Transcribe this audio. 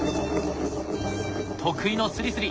得意のスリスリ！